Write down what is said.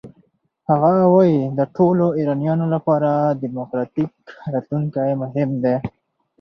هغه وايي د ټولو ایرانیانو لپاره دموکراتیک راتلونکی مهم دی.